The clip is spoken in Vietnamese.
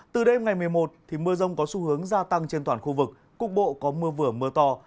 từ đêm ngày một mươi một mưa rông có xu hướng gia tăng trên toàn khu vực cục bộ có mưa vừa mưa to